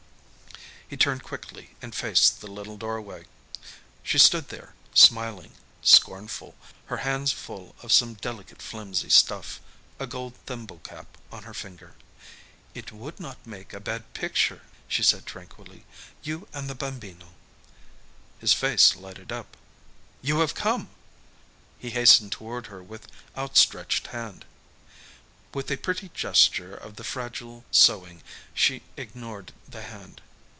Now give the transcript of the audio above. He turned quickly and faced the little doorway. She stood there, smiling, scornful, her hands full of some delicate flimsy stuff, a gold thimble cap on her finger. "It would not make a bad picture," she said tranquilly, "you and the Bambino." His face lighted up. "You have come!" He hastened toward her with outstretched hand. With a pretty gesture of the fragile sewing she ignored the hand.